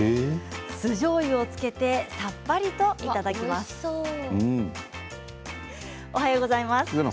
酢じょうゆをつけてさっぱりといただきます。